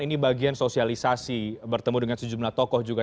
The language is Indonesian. ini bagian sosialisasi bertemu dengan sejumlah tokoh juga